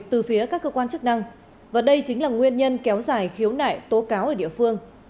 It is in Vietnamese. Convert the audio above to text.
từ phía các cơ quan chức năng và đây chính là nguyên nhân kéo dài khiếu nại tố cáo ở địa phương